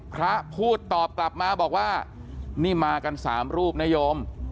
พระพูดตอบกลับมาบอกว่านี่มากัน๓รูปนโยม